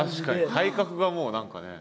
体格がもう何かね。